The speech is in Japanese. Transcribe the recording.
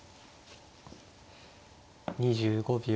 ２５秒。